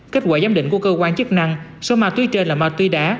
kết quả giám định của cơ quan chức năng số ma túy trên là ma túy đá